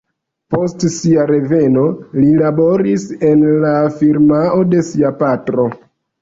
Post sia reveno li laboris en la firmao de sia patro.